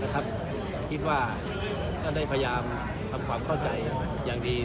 ก็ได้พยายามทำความเข้าใจอย่างดี